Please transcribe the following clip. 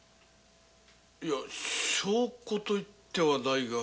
いゃ「証拠」といってもないが。